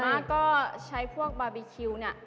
ส่วนมากก็ใช้พวกบาบีคิวเนี่ย